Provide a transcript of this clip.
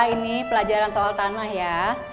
ini pelajaran soal tanah ya